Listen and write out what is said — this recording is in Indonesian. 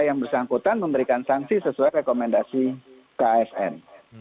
yang bersangkutan memberikan sanksi sesuai rekomendasi ksn